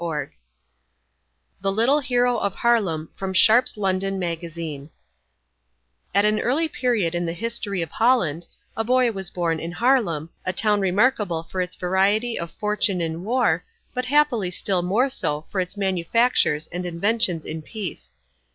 MOORE THE LITTLE HERO OF HAARLEM At an early period in the history of Holland, a boy was born in Haarlem, a town remarkable for its variety of fortune in war, but happily still more so for its manufactures and inventions in peace.